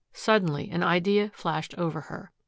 Suddenly an idea flashed over her.